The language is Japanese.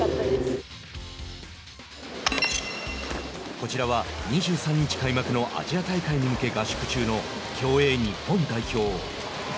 こちらは、２３日開幕のアジア大会に向け合宿中の競泳日本代表。